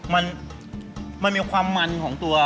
มันมันมีความมันของตัว